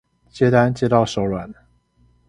接單接到手軟